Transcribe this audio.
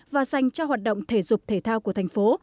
và dành cho hoạt động thể dục thể thao của thành phố